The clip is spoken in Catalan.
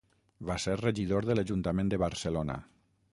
Va ser regidor de l'Ajuntament de Barcelona.